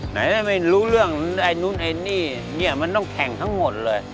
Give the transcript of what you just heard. ไหนไม่รู้เรื่องไหนมันต้องแข่งทั้งหมดเลย